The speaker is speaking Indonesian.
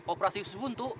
operasi usus buntu